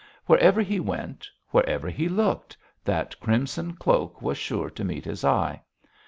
Wherever he went, wherever he looked, that crimson cloak was sure to meet his eye.